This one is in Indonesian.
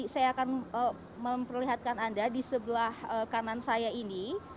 saya akan memperlihatkan anda di sebelah kanan saya ini